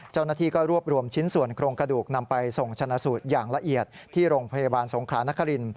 เจ้าหน้าที่ก็รวบรวมชิ้นส่วนโครงกระดูกนำไปส่งชนะสูตรอย่างละเอียดที่โรงพยาบาลสงครานคริน